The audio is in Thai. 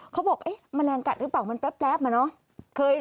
เขาบอกเอ๊ะแมลงกัดหรือเปล่ามันแป๊บอะเนาะ